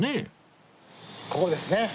ここですね。